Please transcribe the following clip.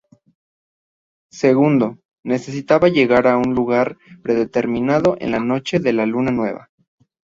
Segundo, necesitaba llegar a un lugar predestinado en la noche de la luna nueva.